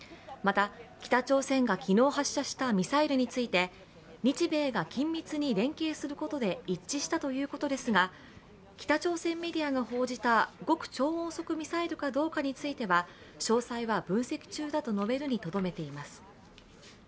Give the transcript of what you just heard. また、北朝鮮が昨日発射したミサイルについて日米が緊密に連携することで一致したということですが、北朝鮮メディアが報じた極超音速ミサイルかどうかについては詳細は分析中だと述べるにとどめています。